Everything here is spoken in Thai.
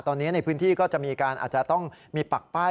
ตอนนี้ในพื้นที่ก็จะมีการอาจจะต้องมีปักป้าย